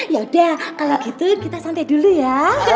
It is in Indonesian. yaudah kalau gitu kita santai dulu ya